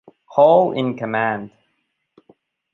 Hall in command.